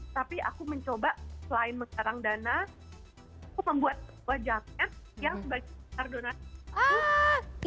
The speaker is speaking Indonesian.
tapi aku mencoba selain mencarang dana aku membuat wajahnya yang sebagai pengaruh donasi